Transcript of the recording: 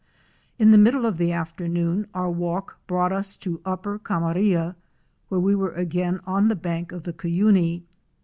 In the middle of the afternoon our walk brought us to Upper Camaria, where we were again on the bank of the Cuyuni.